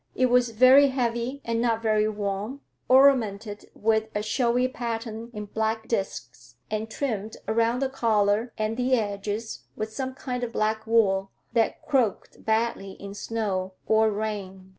It was very heavy and not very warm, ornamented with a showy pattern in black disks, and trimmed around the collar and the edges with some kind of black wool that "crocked" badly in snow or rain.